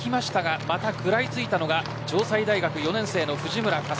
抜きましたがまた食らい付いたのが城西大学４年生の藤村華純。